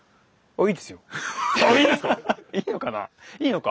いいのか。